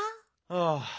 ああ。